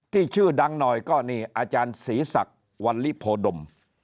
ชื่อดังหน่อยก็นี่อาจารย์ศรีศักดิ์วัลลิโพดม